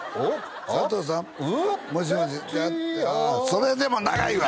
それでも長いわ！